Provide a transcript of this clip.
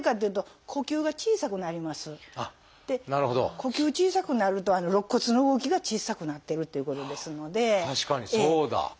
呼吸小さくなると肋骨の動きが小さくなってるということですので。